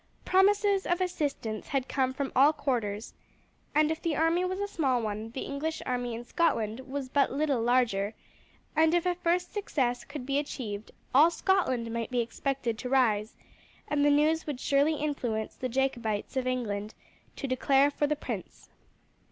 Promises of assistance had come from all quarters, and if the army was a small one the English army in Scotland was but little larger, and if a first success could be achieved, all Scotland might be expected to rise, and the news would surely influence the Jacobites of England to declare for the prince.